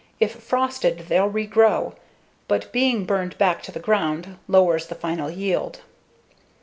If frosted they'll regrow, but being burned back to the ground lowers the final yield.